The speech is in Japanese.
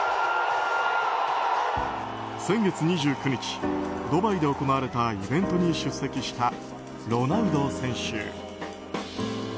先月２９日、ドバイで行われたイベントに出席したロナウド選手。